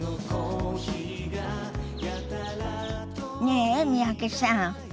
ねえ三宅さん。